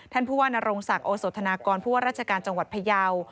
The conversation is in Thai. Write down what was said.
ท่านผู้ว่านโรงศักดิ์โอโสธนากรผู้ว่าราชการจังหวัดพยาว